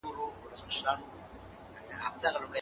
ته به په رڼا کي خپل نوي مطالب لیکي.